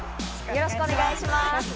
よろしくお願いします。